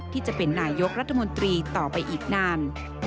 ที่จะเป็นนายกรัฐมนตรีต่อไปอีกนาน